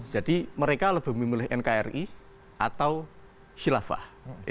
jadi mereka lebih memilih nkri atau khilafah